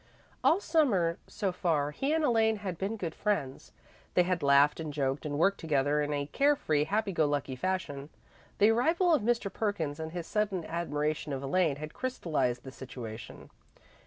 All Summer, so far, he and Elaine had been good friends. They had laughed and joked and worked together in a care free, happy go lucky fashion. The arrival of Mr. Perkins and his sudden admiration of Elaine had crystallised the situation.